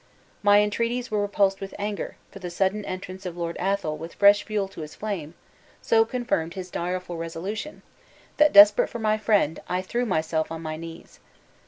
My entreaties were repulsed with anger, for the sudden entrance of Lord Athol with fresh fuel to his flame, so confirmed his direful resolution that, desperate for my friend, I threw myself on my knees.